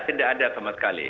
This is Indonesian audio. tidak ada sama sekali